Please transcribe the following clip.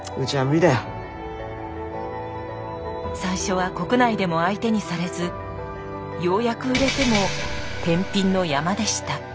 最初は国内でも相手にされずようやく売れてもどうすんだ？